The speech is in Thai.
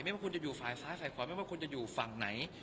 ว่าคุณจะอยู่ฝ่ายซ้ายฝ่ายขวาไม่ว่าคุณจะอยู่ฝั่งไหน